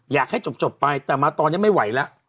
อยากให้จบไปแต่มาตอนนี้ไม่ไหวแล้ว